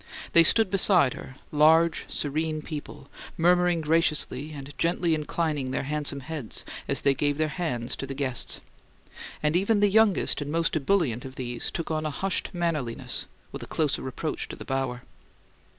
They stood beside her, large, serene people, murmuring graciously and gently inclining their handsome heads as they gave their hands to the guests; and even the youngest and most ebullient of these took on a hushed mannerliness with a closer approach to the bower.